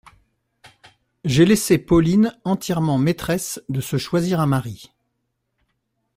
J’ai laissé Pauline entièrement maîtresse de se choisir un mari.